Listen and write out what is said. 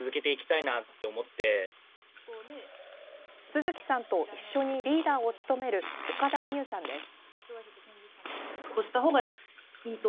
都築さんと一緒にリーダーを務める岡田美優さんです。